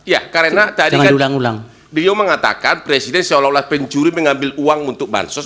ya karena tadi kan beliau mengatakan presiden seolah olah pencuri mengambil uang untuk bansos